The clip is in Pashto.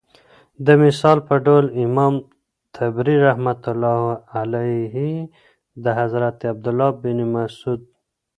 دمثال په ډول امام طبري رحمة الله عليه دحضرت عبدالله بن مسعود